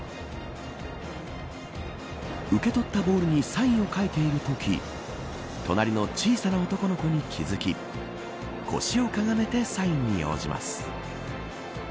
受け取ったボールにサインを書いているとき隣の小さな男の子に気付き腰をかがめてサインに応じます。